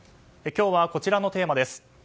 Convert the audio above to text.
今日はこちらのテーマです。